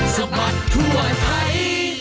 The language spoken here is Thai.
สมัครทั่วไทย